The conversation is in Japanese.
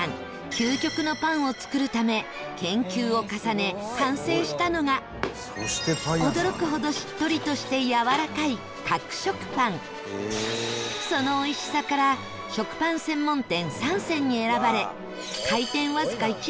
究極のパンを作るため研究を重ね、完成したのが驚くほどしっとりとしてやわらかい、角食パンそのおいしさから「食パン専門店」